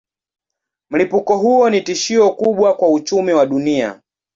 Mlipuko huo ni tishio kubwa kwa uchumi wa dunia.